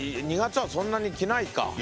２月はそんなに着ないか。